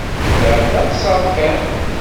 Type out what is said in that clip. Nniɣ-ak d aqeṣṣer kan.